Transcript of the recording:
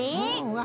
わ